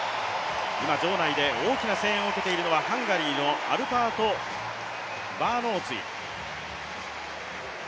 今、場内で大きな声援を受けているのはハンガリーのアルパード・バーノーツィ。